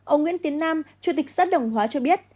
ông nguyễn tiến nam chủ tịch xã đồng hóa cho biết